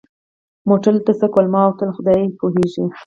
موټر دلته څه کول؟ ما ورته وویل: خدای پوهېږي.